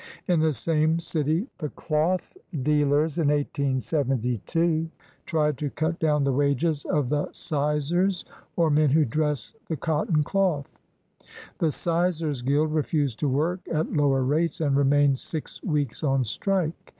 In the same city, the clothdealers in 1872 tried to cut down the wages of the sizers or men who dress the cotton cloth. The sizers' guild refused to work at lower rates and remained six weeks on strike.